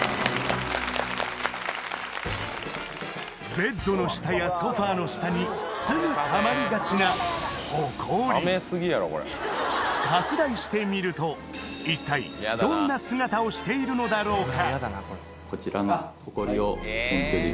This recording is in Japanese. ベッドの下やソファの下にすぐたまりがちな拡大してみると一体どんな姿をしているのだろうか？